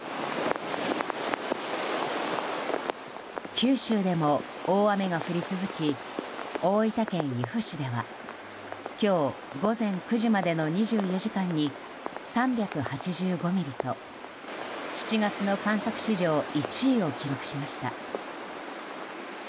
九州でも大雨が降り続き大分県由布市では今日午前９時までの２４時間に３８５ミリと７月の観測史上１位を記録しました。